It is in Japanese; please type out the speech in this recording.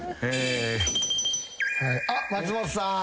あっ松本さん。